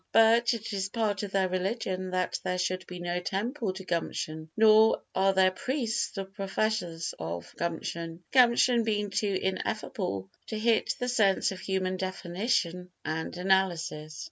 But it is part of their religion that there should be no temple to Gumption, nor are there priests or professors of Gumption—Gumption being too ineffable to hit the sense of human definition and analysis.